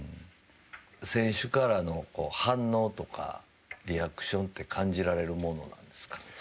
選手からの反応とかリアクションって感じられるものなんですか